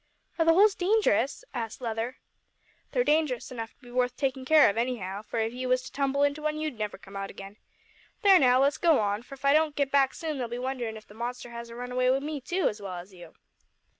"Are the holes dangerous?" asked Leather. "They're dangerous enough to be worth takin' care of, anyhow, for if ye was to tumble into one you'd never come out again. There, now, let's go on, for if I don't git back soon, they'll be wonderin' if the monster hasn't run away wi' me too, as well as you!"